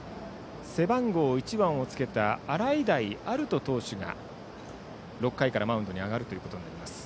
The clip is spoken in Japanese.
背番号１番をつけた洗平歩人投手が６回からマウンドに上がることになります。